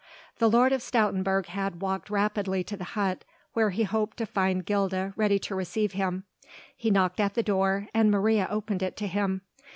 The Lord of Stoutenburg had walked rapidly to the hut where he hoped to find Gilda ready to receive him. He knocked at the door and Maria opened it to him.